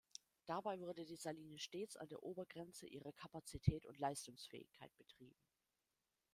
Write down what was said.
Dabei wurde die Saline stets an der Obergrenze ihrer Kapazität und Leistungsfähigkeit betrieben.